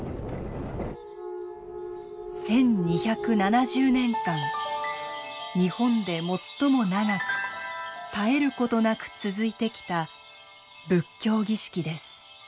１，２７０年間日本で最も長く絶えることなく続いてきた仏教儀式です。